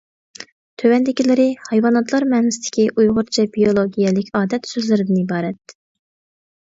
تۆۋەندىكىلىرى ھايۋاناتلار مەنىسىدىكى ئۇيغۇرچە بىيولوگىيەلىك ئادەت سۆزلىرىدىن ئىبارەت.